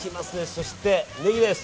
そして、ネギです。